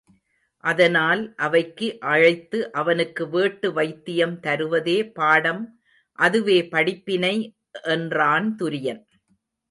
அதனால் அவைக்கு அழைத்து அவனுக்கு வேட்டு வைத்தியம் தருவதே பாடம் அதுவே படிப்பினை என்றான் துரியன்.